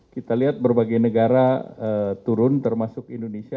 kita lihat berbagai negara turun termasuk indonesia